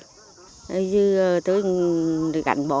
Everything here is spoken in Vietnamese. thì tôi gắn bó